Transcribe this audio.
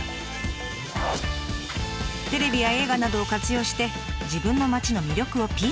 テレビや映画などを活用して自分の町の魅力をＰＲ！